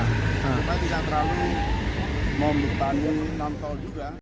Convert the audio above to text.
kita tidak terlalu memperpanjang menantol juga